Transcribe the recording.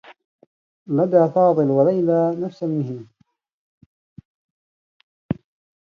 لدى فاضل و ليلى نفس المهنة.